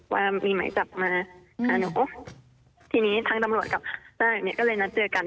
ว่ามีไหมจับมาอ่าหนูทีนี้ทั้งตำลวดกับเจ้านายหนูก็เลยนัดเจอกัน